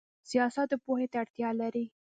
سیاست پوهې ته اړتیا لري؟